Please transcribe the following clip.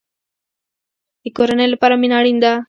د کورنۍ لپاره مینه اړین ده